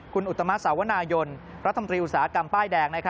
คุณอุตมะสาวนายนรัฐมนตรีอุตสาหกรรมป้ายแดง